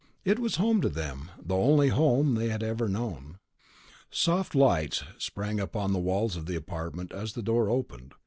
It was home to them, the only home they had ever known. Soft lights sprang up on the walls of the apartment as the door opened.